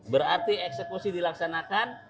berarti eksekusi dilaksanakan